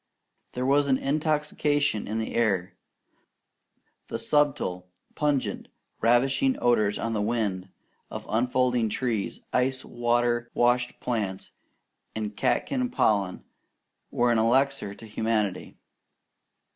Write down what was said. There was intoxication in the air. The subtle, pungent, ravishing odours on the wind, of unfolding leaves, ice water washed plants, and catkin pollen, were an elixir to humanity.